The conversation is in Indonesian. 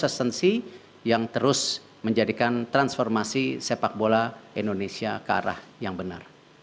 dan kita harus mencari konsensi yang terus menjadikan transformasi sepak bola indonesia ke arah yang benar